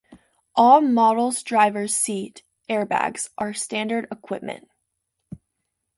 All models driver's seat airbags are standard equipment.